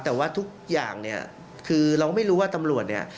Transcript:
แต่ว่าทุกอย่างเนี่ยคือเราไม่รู้ว่าตำรวจเนี่ย